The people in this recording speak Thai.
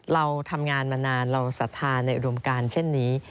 เราทำงานมานานเราศรัทธาในอุดมการเช่นนี้